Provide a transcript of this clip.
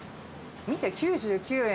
見て９９円